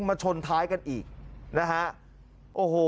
มาชนท้ายกันอีกนะฮะโอ้โห